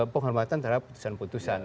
penghormatan terhadap putusan putusan